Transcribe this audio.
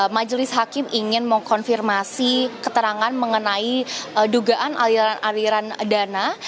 majelis hakim ingin mengkonfirmasi keterangan mengenai dugaan aliran aliran dana